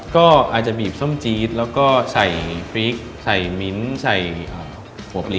ก็อาจจะบีบส้มจี๊ดแล้วก็ใส่พริกใส่มิ้นใส่หัวปลี